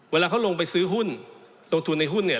เวลาเขาลงไปซื้อหุ้นลงทุนในหุ้นเนี่ย